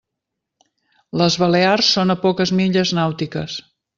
Les Balears són a poques milles nàutiques.